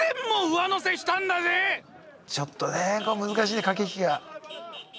ちょっとね難しい駆け引きが。